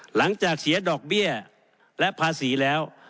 หลังจากเสียดอกเบี้ยและภาษีแล้ว